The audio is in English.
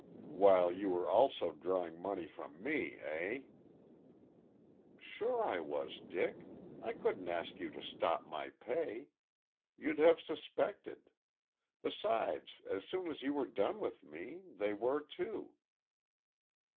"While you were also drawing money from me, eh?" "Sure I was, Dick. I couldn't ask you to stop my pay. You'd have suspected. Besides, as soon as you were done with me, they were, too."